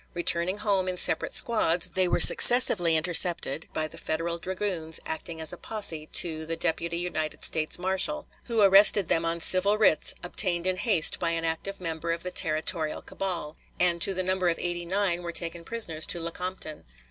Returning home in separate squads, they were successively intercepted by the Federal dragoons acting as a posse to the Deputy United States Marshal, who arrested them on civil writs obtained in haste by an active member of the territorial cabal, and to the number of eighty nine were taken prisoners to Lecompton.